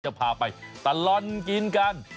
จะพาไปตลอดกินกัน